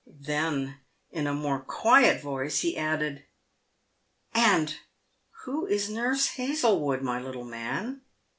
Then, in a more quiet voice he added, " And who is Nurse Hazlewood, my little man?"